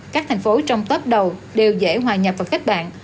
các thành phố trong tớp đầu đều dễ hòa nhập và khách bạn